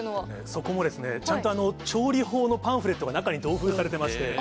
そこもですね、ちゃんと調理法のパンフレットが中に同封されてまして。